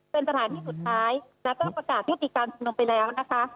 เป็นสถานที่สุดท้ายแล้วก็ประกาศยุติการชุมนุมไปแล้วนะคะ